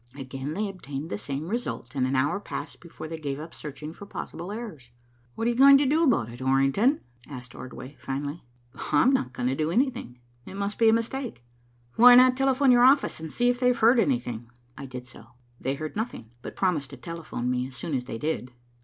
Again they obtained the same result, and an hour passed before they gave up searching for possible errors. "What are you going to do about it, Orrington?" asked Ordway finally. "I'm not going to do anything. It must be a mistake." "Why not telephone your office and see if they've heard anything?" "I did so. They heard nothing, but promised to telephone me as soon as they did."